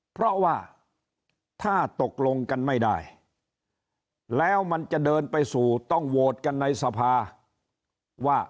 เพราะว่าถ้าตกลงกันไม่ได้แล้วมันจะเดินไปสู่ต้องโหวตกันในสภาว่า